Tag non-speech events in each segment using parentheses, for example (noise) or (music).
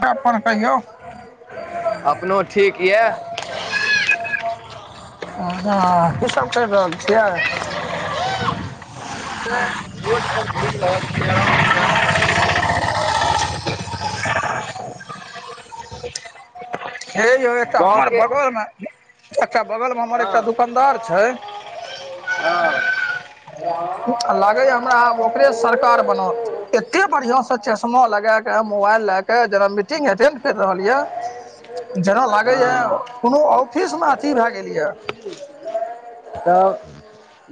त अपन कहियौ। अपनो ठीक यऽ हँ की सब करि रहल छियै? रोड पर घुमि रहल छी आराम स। हे यौ एकटा गाँव हमर के बगलमे, एकटा बगलमे हमर एकटा हँ दुकानदार छैय हँ। लागैये हमरा आब ओकरे सरकार बनत। एते बढ़िया से चश्मा लगाके मोबाइल लऽ के जेना मीटिंग एटेंड करि रहल य। आ जेना लागय यऽ कोनो ऑफिसमे अथी भए गेल यऽ। त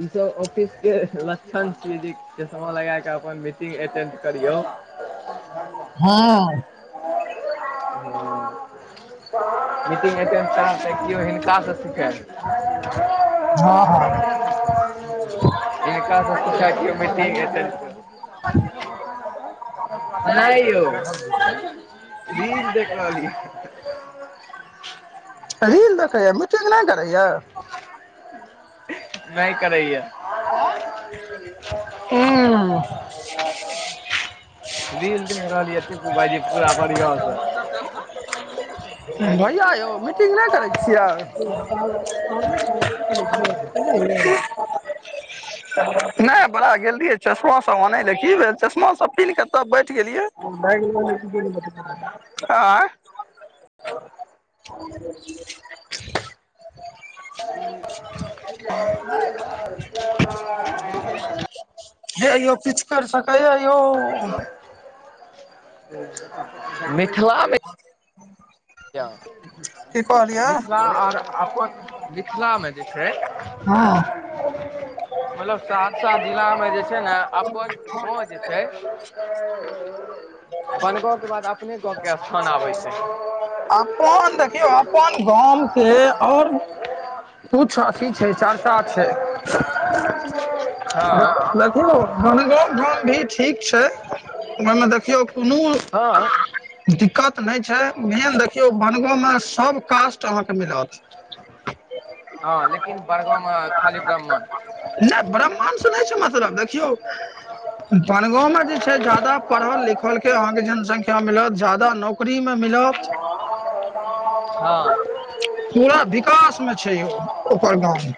इ सब ऑफिसके लक्षन छियै जे चश्मा लगाकऽ अपन मीटिंग एटेंड करियौ। हँ। मीटिंग अटेंड करब त केओ हिनकासँ सिखय। हँ -हँ। हिनकासँ पूछै कियो मीटिंग अटेंड करब। नय यौ। रील देख रहल ये। रील देखैया मिटिंग नय करैया। नय करैया। हूॅं। रील देखि रहलये टिप्पू भायजी पूरा बढ़ियाॅं स। भैया यौ मीटिंग नहि करै छियै। (inaudible) नहि बड़ा गेलरहियै चश्मा सब आनय ले की भेल चश्मा सब पिन्ह क तब बैठि गेलियै। आंय। आ (inaudible) (inaudible) हे यौ किछ कर सकै यऽ यौ। मिथिलामें की कहलियै मिथिला आर अपन मिथिलामे जे छैय हँ। मतलब सहरसा जिलामे जे छैय ने अपन गांव जे छैय बनगाॅंवके बाद अपने गाँवके स्थान आबैय छैय। अपन देखियौ अपन गाम से आओर कुछ अथी छै, चर्चा छै। हँ रघु हो बनगाँव गांव भी ठीक छै, मनै देखियौ कूनु हां। दिक्कत नै छै, मेन देखियौ बनगाँव मे सब कास्ट अहाँ के मिलत। हां लेकिन बड़गांव में नै ब्राह्मण से नै छै मतलब देखियौ बनगाँव मे जे छै ज्यादा पढ़ल-लिखल के अहाँके जनसंख्या मिलत, ज्यादा नौक री मे मिलत। आ पूरा विकासमे छै यौ ओकर गाम।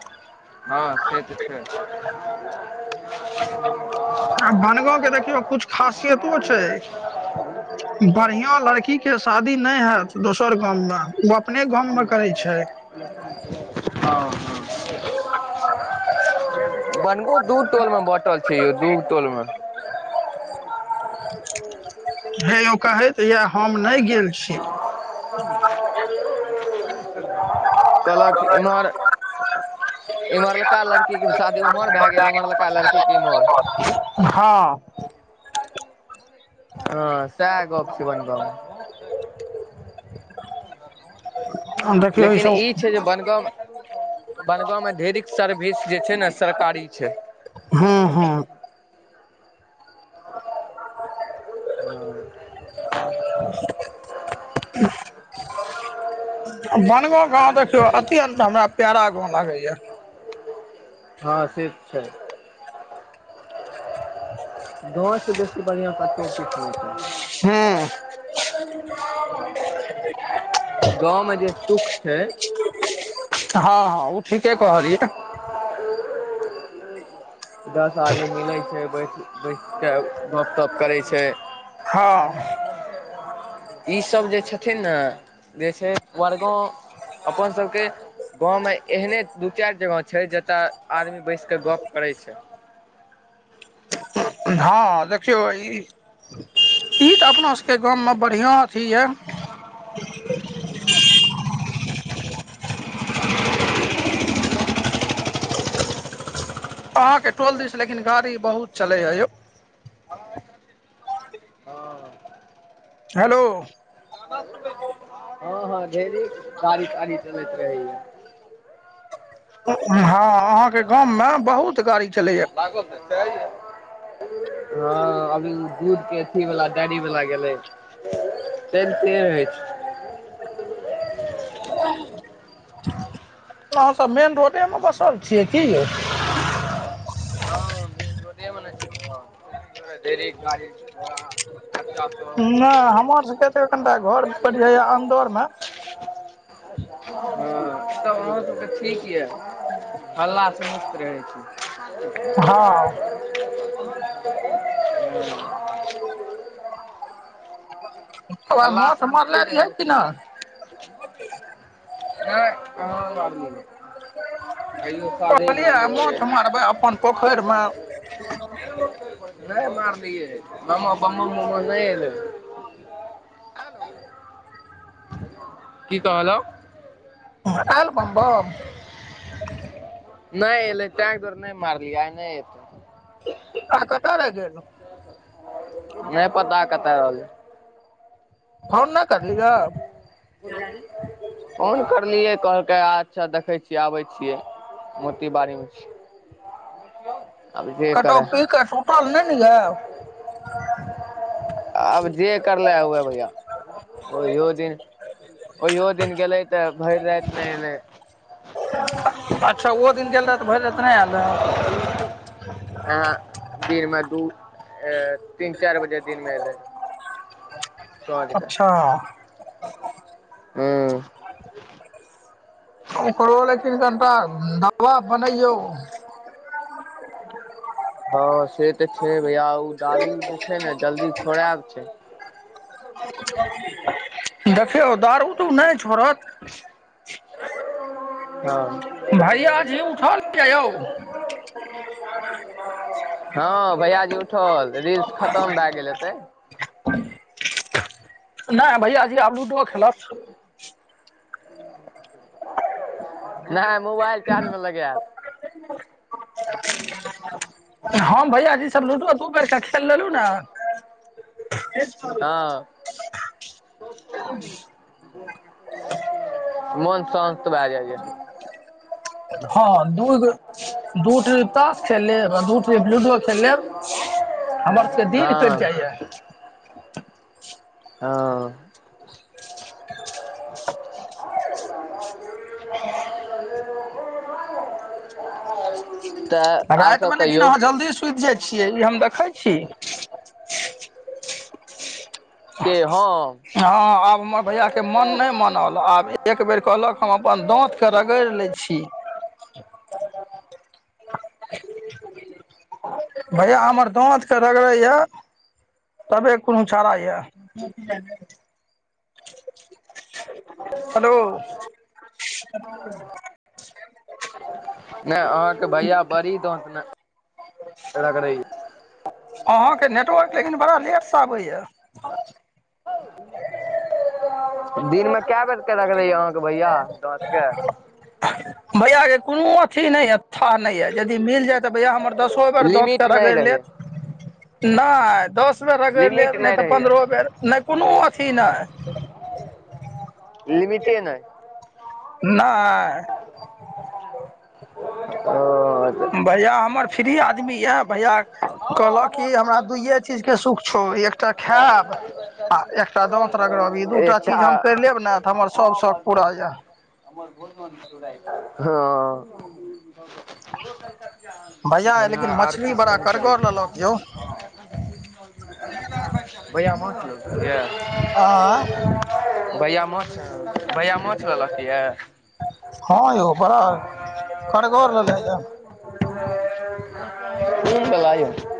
हां से तऽ छै। आब बनगाँव के देखियौ कुछ खासियतो छै। बढ़िया लड़की के शादी नै हैत दोसर गाममे उ अपने गाममे करै छै। हां-हां बनगो दू टोल मे बाटल छै यौ दूगो टोलमे। हे यौ कहै तै यै हम नै गेल छी। कहलक इम्हर इम्हरलका लड़की के शादी उम्हर भए गेल, उम्हरलका लड़की के इम्हर। हां। हां सैह गप छै बनगाँव मे। देखियौ लेकिन सब ई छै जे बनगाँव मे बनगाँव मे ढेरिक सर्विस जे छै नै सरकारी छै। हां-हां। हां। बनगाँव गाँव देखियौ अत्यंत हमरा प्यारा गाँव लागै यै। हां से तै छै। गाअ से बेसी बढ़िया कतो किछ नै छै। हां। गाअ मे जे सुख छै। हां-हां उ ठीके कहलियै। दस आदमी मिलै छै, बैठ बैस कै गप-सप करै छै। हां। इ‌ सब जे छथिन नै जे छै बड़गाँव। अपन सबके गाअ मे एहने दू चाएर जगह छै जत तऽ आदमी बैस कै गप करै छै। हां देखियौ ई ई तऽ अपना सके गाममे बढ़िया अथी यै। हां। अहाँ के टोल दिस लेकिन गाड़ी बहुत चले यै यौ। हां। हेलो। कता सुते छी? हां हं ढेरी गाड़ी ताड़ी चलैत रहैया हं, अहां के गाम मे बहुत गाड़ी चलैया। नसे (unintelligible) हं अभी दूध के अथी वला, डैरी वला गेलै। त त होइ छै (unintelligible) ह (inaudible) अहां सब मेन रोडे मे बसल छियै की। हँ मेन रोडे बला छैय घर ढेरी गाड़ी घोड़ा बच्चा सब नहि हमर सबके त कनिटा घर पर या अन्दर में। हँ तऽ ओ (inaudible) ठीक यऽ हल्ला स मुक्त रहै हँ छी। ह (inaudible) हल्ला माछ से मुक्ते मारले रहै रहियै मे कि नहि ठीक छैय। नहि कह बात नहि (unintelligible) कहलियै छै माछ मारबैय अपन पोखैर में। नहि मारलिय ब्म बम्म मम्म नहि ऐलैय। हेलो। की कहलउ। ऐल बम बम। (inaudible) नैई एलैय तै दुवारे नहि मारलिय आइ नहि एतैय। अहां कत रही क ऐलौ। नहि पता कतऽ रहलैय। फोन न करलीयाो। फोन करलियै कहलकै अच्छा देखै छियै आबै छियै। मोती बाड़ी में छि। कतौ पी क सुतल नहि ने याऽ आब जे करले हुए भैया ओहियो दिन ओहियो दिन गेले तऽ भरि राति ने एलै। अच्छा ओ दिन गेल रहए तऽ भरि रातिऽ नहि आयल रहै ह दिन मे दू तीन चारि बजे दिन मे एले। अच्छा। हूं। ओकरो लै तन कनिटा दवा बनैया। हं से तऽ छैय भैया ओ दारू जे छैय ने जल्दी छोड़ायब छैय। देखियौ दारु उ नहि छोड़त। हं। भैया जी उठल यऽ यौन। हम (unintelligible) हं भैयाजी उठल रील्स खतम भए गेल हेतै। नहि भैय जी आब लूडो खेलत। नहि मोबाइल चार्ज में लगैत। हम भैय जी सभ लूडो दू बेर कऽ खेल लेलहुं न। ह (inaudible) हं मोन शान्त भए गेल या। हँ दूगो। दू टीप तास खेल लेब आ दू टीप लूडो खेल लेब। हमर सबके दिन हँ कट जाइया। हँ। (inaudible) ह। आई। राति में लेकिन अहाँ जल्दी सुति जाइ छियै ई हम देखैत छी। के हम। हँ आब हमर भैया के मन नहि मनल आब एक बेर कहलक हम अपन दांत। के रगड़ि लै छी। (inaudible) (inaudible) भैया हमर दांत के रगड़े या। तबे कोनो छारा यऽ। हेलो। नहि अहाँके भैया बड़ी दाँत रगरैया। अहाँके नेटवर्क लेकिन बड़ा लेटसँ आबैए। (inaudible) दिनमे कए बेर रगरैय रहैय अहाँके भैया दाँत के। भैया के कोनो अथी नई है। थाह नहि यऽ यदि मिल जाय तऽ भैया हमर दसो बेर दाँतके लिमिट नहि रगड़ि लेत। रहैये नहि दस बेर रगड़ि लिमिट लेब नहि तऽ रहैये पन्द्रहो बेर नहि कोनो अथी नहि। लिमिटे नहि। नए। ओऽ। भैया हमर फ्री आदमी यऽ भैया। कहलक कि हमरा दुइए चीजके सुख छौ एकटा खायब। आ एकटा दाँत रगरबी दू टा एकटा चीज हम करि लेब ने तऽ हमर सभ शौक पूरा यए। हं। भैया लेकिन आर मछली किछु नहि करेय। (unintelligible) भैया माछ लेलखूह्न ये। आ भैआा माछ बआ माछ लेलक यऽ। हँ यौ बड़ा कड़गर रहले था। ह क लयौ (unintelligible)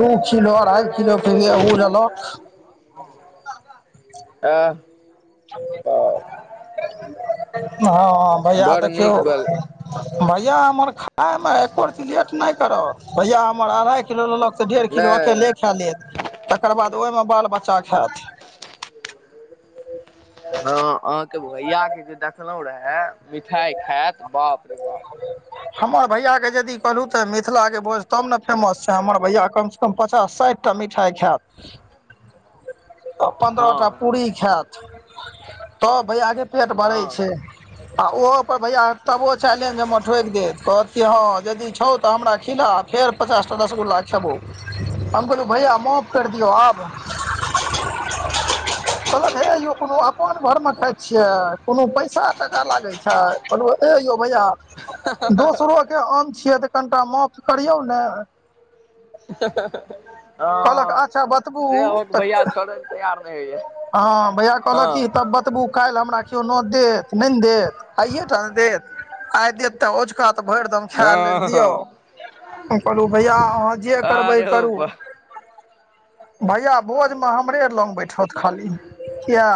दू किलो अढ़ाइ किलो के ओ लेलक। आ तऽ। हँ भैया बड़ देखियौ। नीक बल भैया हमर खायमे एको रती लेट नहि करत भैया हमर अढ़ाइ किलो लेलक। से डेढ़ किलो नहि अकेले खा लेत तकर बाद ओहिमे बाल बच्चा खायत। हँ अहाँके भैया के जे देखलहुं रहे मिठाई खायत बाप रे बाप। हमर भैया के यदि कहलहु तऽ मिथिला के भोज तब ने फेमस छै हमर भैया कम। हम पचास साठि टा मिठाइ खैब। पन्द्रह टा हँ पूरी खात तब भैये पेट भरै हँ छै। आ ओहो पर भैया तबो चल जे हम ठोकि दे कहत हँ यदि छौ तऽ हमरा खिला फेर पचास ट रसगुल्ला खेबौ। हम कहलू भैया माफ कर दियौ आब (unintelligible) कहलक हे ययौ कोनो अपन घर में खााय छियै कोनो पैसा टाका लागे छै। कहलो हे यौ भैया दोसरोके आम छियै तऽ कनिटा माफ करियौ ने। कहलक हँ-हँ-हँ-हँ ह अच्छा बतबू से हमर भैय तऽ छड़े तैयार नहि होइ। हँ भैया कहलक क तब बतबू काल्हि हमरा केओ नोत देत नहि देत आइएटा देत आइ देत। त अझका तऽ भरि दम खाय लेल हँ दियौ। हँ हम कहलहुँ भैया अहाँ जे करबै अरे हौ करू बा भैया भोझमे हमरे लग बैठत खाली किए।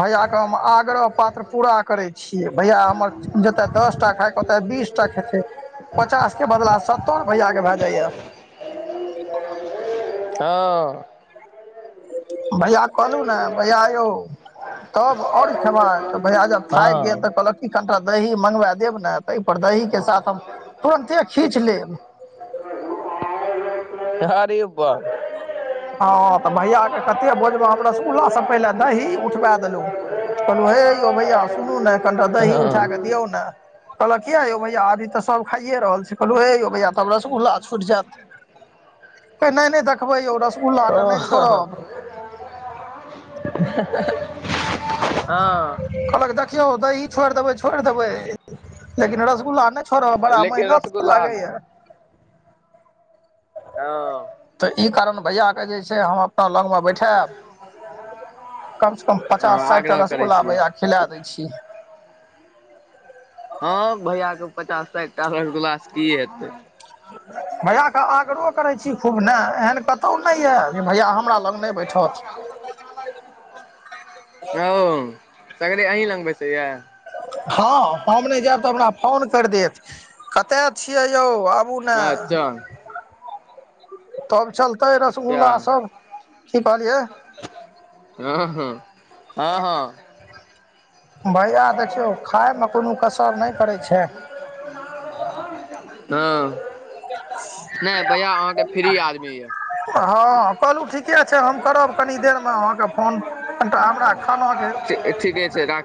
भैयाके हम आग्रह पात्र पूरा करै छियै भैया हमर जतय दस टा खाायके ओतय बीस चचा खेतैय पचास के बदला सत्तर भैया के भय जाय या हँ भैया कहलहु ने भैया यौ तब आओर खेबै तऽ भैया जब थाकि गेल तऽ हँ कहलक की कनिटा दही मँगबा देब ने। ताहि पर दही के साथ हम तुरन्ते खींच लेब। हारी उबबा (unintelligible) हँ तऽ भैयके कते भोजमे हमरा रसगुल्ला सँ पहिले दही उठबा देलौ। कहलू हे यौ भैया सुनू ने कनिटा दही उठा कऽ हँ दियौ ने। कहलक किया यौ मैैया अभी तऽ सब खाइए रहल छै कहलू हे यौ मैैया तब रसगुल्ला छुटि जैत। नहि नहि देखबै रस आह (unintelligible) (unintelligible) हँ कहलक देखियौ दही छोड़ि देबै छोड़ि देबै लेकिन रसगुल्ला नहि थोड़ बड़ा लेकिन महीनत रसगुल्ला लागै नहि यऽ हँ तऽ ई कारण भैया के जे छै हम अपना लग मे बैठायब कम से कम पचास आग्रह साठिटा करै रसगुल्ला छियै भैया के खिला दै छीयै। हँ भैया के पचास साठिटा रसगुल्ला सँ की हेतै। (unintelligible) भैया के आग्रहो करै छी खूब ने एहन कतौ नहि ये जे भैया हमरा लग नहि बैठत (unintelligible) ओ सगरे अहीं लग बैसैया हँ हम नहि जायब तऽ हमरा फोन करि देत कतेऽ छियै यौ आब अच्छा तब चलतै अच्छा रसगुल्ला सब की कहलियै उहू हँ हँ भैया देखियौ खाइमे कोनो कसर नहि करै छै। हँ नहि भैया अहाँके फ्री आदमी यऽ कहलहुँ ठीके छै हम करब कनि देरमे अहाँके फोन कनिटा हमरा खानाके ठीके छै राखै